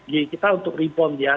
jadi kita untuk rebound ya